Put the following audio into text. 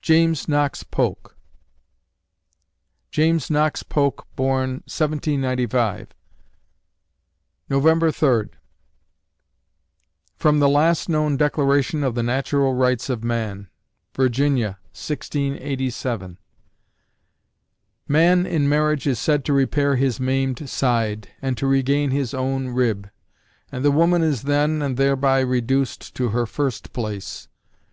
JAMES KNOX POLK James Knox Polk born, 1795 November Third FROM THE LAST KNOWN DECLARATION OF THE NATURAL RIGHTS OF MAN! VIRGINIA, 1687 Man in marriage is said to repair his maimed side, and to regain his own rib. And the woman is then and thereby reduced to her first place....